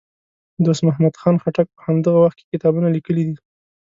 دوست محمد خټک په همدغه وخت کې کتابونه لیکي دي.